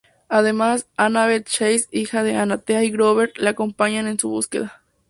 Además, Annabeth Chase, hija de Atenea, y Grover, le acompañan en su búsqueda.